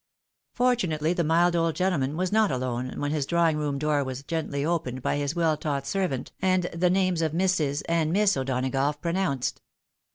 Fortunately the mild old gentleman was not alone, when his drawing room door was gently opened by his weU taught ser vant, and the names of Mrs. and Miss. O'Donagough pronounced.